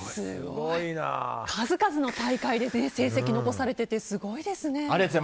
数々の大会で成績を残されていてすごいですね。